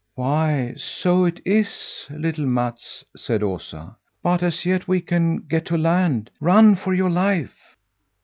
"Why, so it is, little Mats," said Osa, "but as yet we can get to land. Run for your life!"